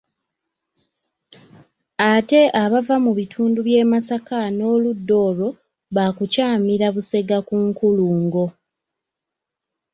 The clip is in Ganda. Ate abava mu bitundu by'e Masaka n'oludda olwo baakukyamira Busega ku nkulungo